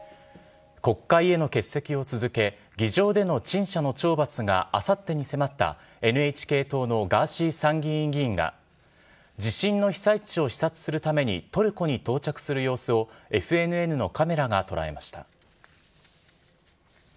国会への欠席を続け、議場での陳謝の懲罰があさってに迫った、ＮＨＫ党のガーシー参議院議員が、地震の被災地を視察するためにトルコに到着する様子を、ＦＮＮのカメラが捉えました。